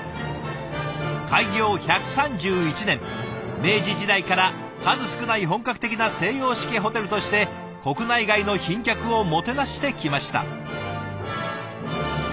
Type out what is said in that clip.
開業１３１年明治時代から数少ない本格的な西洋式ホテルとして国内外の賓客をもてなしてきました。